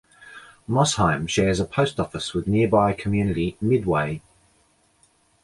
Mosheim shares a post office with nearby community, Midway.